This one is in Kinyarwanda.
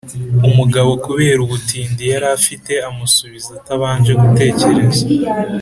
umugabo, kubera ubutindi yari afiteamusubiza atabanje gutekereza